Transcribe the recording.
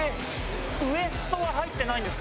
ウエストは入ってないんですか？